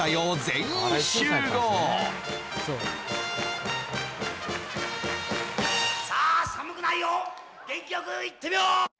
全員集合」さあ寒くないよ元気よくいってみよう！